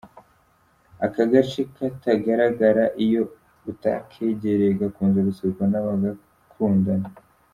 Aka gace katagaragara iyo utakegereye gakunze gusurwa n’abakundana.